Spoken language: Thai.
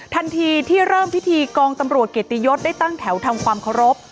ทันทีที่เริ่มพิธีกองตำรวจเกียรติยศได้ตั้งแถวทำความเคารพ